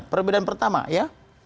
perbedaan pertama ya